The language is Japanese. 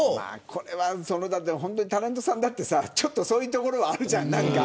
これはタレントさんだってちょっとそういうところあるじゃない。